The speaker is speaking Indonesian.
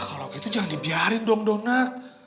kalau gitu jangan dibiarin dong donat